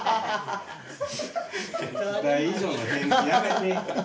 期待以上の返事やめて。